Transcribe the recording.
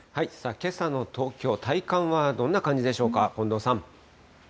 けさの東京、体感はどんな感じでしょうか、近藤さん。